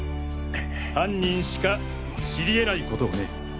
犯人しか知り得ないことをね。